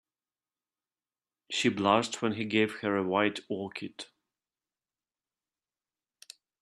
She blushed when he gave her a white orchid.